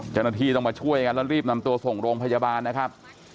จณฑีต้องมาช่วยแล้วรีบนำตัวส่งโรงพยาบาลนะครับ